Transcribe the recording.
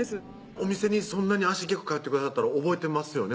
お店にそんなに足しげく通ってくださったら覚えてますよね